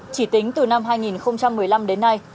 chỉ tính từ năm hai nghìn một mươi năm đến nay